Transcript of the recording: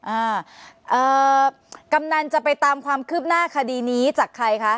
อ่าเอ่อกำนันจะไปตามความคืบหน้าคดีนี้จากใครคะ